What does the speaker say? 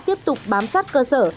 tiếp tục bám sát cơ sở